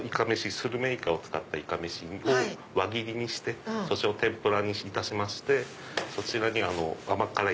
スルメイカを使ったイカメシを輪切りにして天ぷらにしましてそちらに甘辛い。